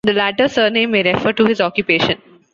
The latter surname may refer to his occupation.